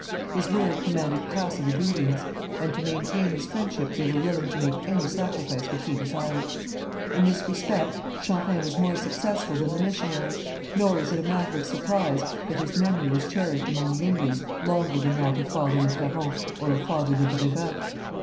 His word commanded passive obedience, and to maintain his friendship they were willing to make any sacrifice which he desired. In this respect Champlain was more successful than the missionaries, nor is it a matter of surprise that his memory was cherished among the Indians longer than that of Father Le Caron or of Father de Brébeuf.